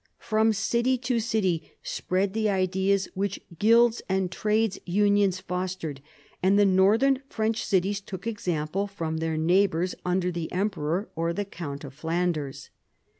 From city to city spread the ideas which guilds and trades' unions fostered, and the northern French cities took example from their neighbours under the emperor or the count of Flanders.